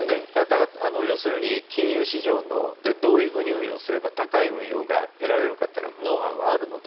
だから、要するに金融市場でどういうふうに運用すれば高い運用が得られるかはノウハウがあるので。